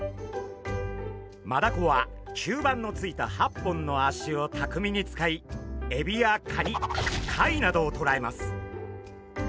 マダコは吸盤のついた８本の足をたくみに使いエビやカニ貝などをとらえます。